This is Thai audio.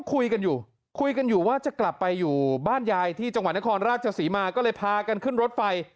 คุยกันอยู่คุยกันอยู่ว่าจะกลับไปอยู่บ้านยายที่จังหวัดนครราชศรีมาก็เลยพากันขึ้นรถไฟ